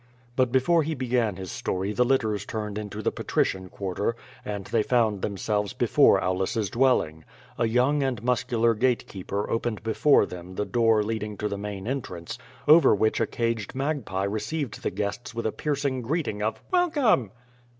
But before he began his story the litters turned into the Patrician Quarter, and they found themselves before Aulus's dwelling. A young and muscular gate keeper opened before them the door leading to the main entrance, over which a caged magpie received the guests with a piercing greeting of "Welcome!"